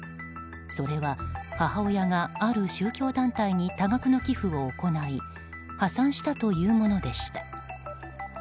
それは、母親がある宗教団体に多額の寄付を行い破産したというものでした。